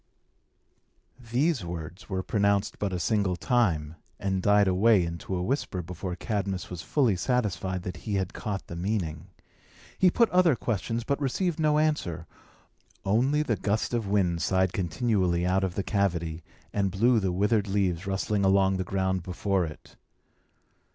These words were pronounced but a single time, and died away into a whisper before Cadmus was fully satisfied that he had caught the meaning. He put other questions, but received no answer; only the gust of wind sighed continually out of the cavity, and blew the withered leaves rustling along the ground before it.